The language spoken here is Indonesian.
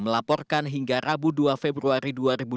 melaporkan hingga rabu dua februari dua ribu dua puluh